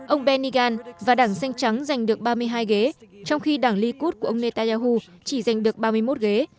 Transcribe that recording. ông bennigan và đảng xanh trắng giành được ba mươi hai ghế trong khi đảng ly cút của ông netanyahu chỉ giành được ba mươi một ghế